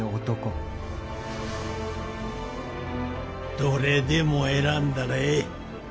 どれでも選んだらええ。